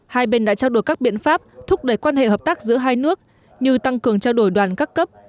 hai bên đã trao đổi các biện pháp thúc đẩy quan hệ hợp tác giữa hai nước như tăng cường trao đổi đoàn các cấp